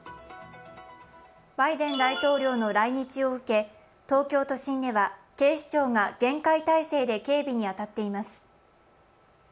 バイデン大統領の来日を受け、東京都心では警視庁が厳戒態勢で警備に当たっています。